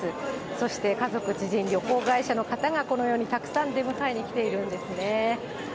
そして家族、知人、旅行会社の方がこのようにたくさん出迎えに来ているんですね。